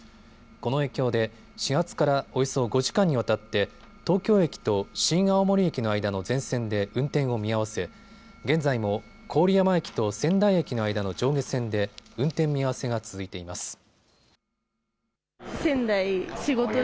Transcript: この影響で始発からおよそ５時間にわたって東京駅と新青森駅の間の全線で運転を見合わせ現在も郡山駅と仙台駅の間の上下線で運転見合わせが続いています。